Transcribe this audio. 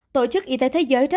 tổ chức y tế thế giới